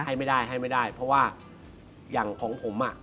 ให้ไม่ได้เพราะว่าอย่างของผม